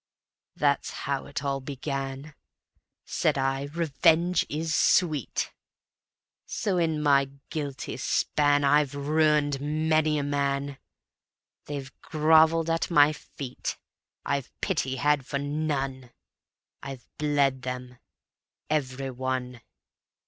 That's how it all began. Said I: Revenge is sweet. So in my guilty span I've ruined many a man. They've groveled at my feet, I've pity had for none; I've bled them every one.